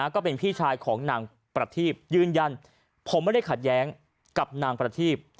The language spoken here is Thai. ก็เป็นพี่ชายของนางประทีบยืนยันผมไม่ได้ขัดแย้งกับนางประทีบ